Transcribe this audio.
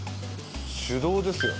手動ですよね？